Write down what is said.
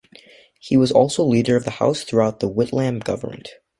He was also Leader of the House throughout the Whitlam government.